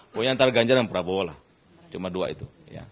pokoknya antara ganjar dan prabowo lah cuma dua itu